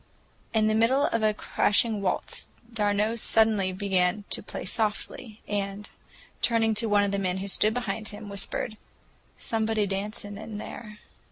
In the middle of a crashing waltz d'Arnault suddenly began to play softly, and, turning to one of the men who stood behind him, whispered, "Somebody dancing in there."